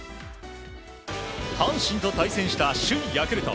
阪神と対戦した首位ヤクルト。